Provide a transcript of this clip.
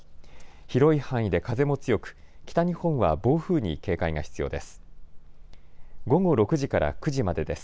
広い範囲で風も強く、北日本は暴風に警戒が必要です。